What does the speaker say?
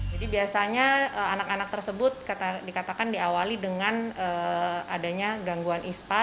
jadi biasanya anak anak tersebut dikatakan diawali dengan adanya gangguan ispa